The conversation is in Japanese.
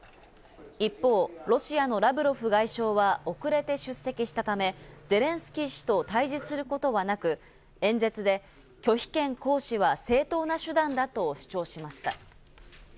一方、ロシアのラブロフ外相は遅れて出席したため、ゼレンスキー氏と対峙することはなく、演説で拒否権行使は正当な手段だと主張しました。